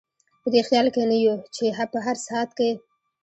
په دې خیال کې نه یو چې په هر ساعت کې.